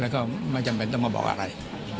แล้วก็ไม่จำเป็นต้องมาบอกอะไร